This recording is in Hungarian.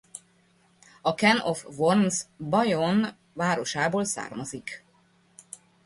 A Can of Worms Bayonne városából származik.